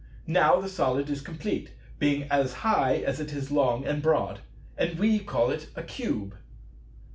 Now the Solid is complete, being as high as it is long and broad, and we call it a Cube."